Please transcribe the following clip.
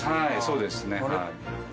そうですねはい。